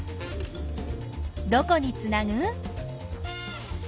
どこにつなぐ？